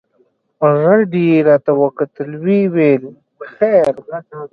رډ يې راته وکتل ويې ويل خير.